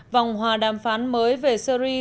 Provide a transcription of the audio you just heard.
vòng hòa đàm phán mới về syri